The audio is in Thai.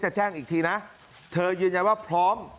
แจ้งอีกทีนะเธอยืนยันว่าพร้อม